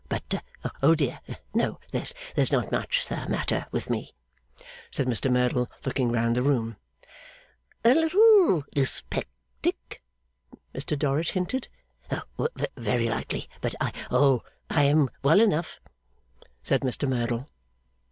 But Oh dear no, there's not much the matter with me,' said Mr Merdle, looking round the room. 'A little dyspeptic?' Mr Dorrit hinted. 'Very likely. But I Oh, I am well enough,' said Mr Merdle.